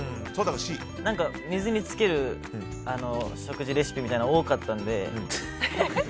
何か、水につける食事レシピみたいなのが多かったので。